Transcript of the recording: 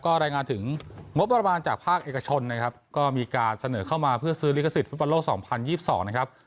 ก็รายงานถึงงบประมาณจากภาคเอกชนนะครับก็มีการเสนอเข้ามาเพื่อซื้อลิขสิทธิ์ฟิฟันโลกสองพันยี่สิบสองนะครับ